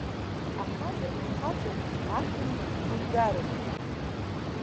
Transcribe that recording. Ахаҵа данхаҵоу ахьымӡӷ имгароуп.